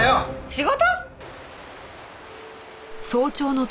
仕事！？